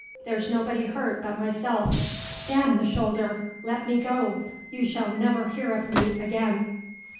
There's nobody hurt but myself. Damn the shoulder! let me go! You shall never hear of me again!"